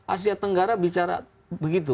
asia tenggara bicara begitu